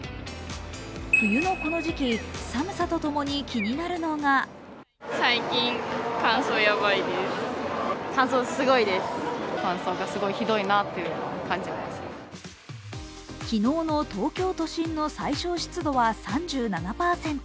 冬のこの時期、寒さと共に気になるのが昨日の東京都心の最小湿度は３７％。